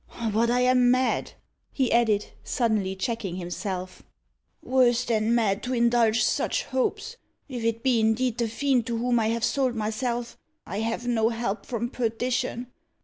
But I am mad," he added, suddenly checking himself "worse than mad, to indulge such hopes. If it be indeed the Fiend to whom I have sold myself, I have no help from perdition!